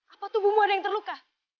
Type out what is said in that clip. apa tubuhmu ada yang terluka